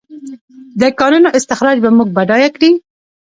د کانونو استخراج به موږ بډایه کړي؟